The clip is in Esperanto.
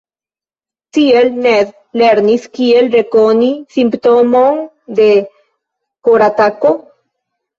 Tiel Ned lernis kiel rekoni simptomon de koratako.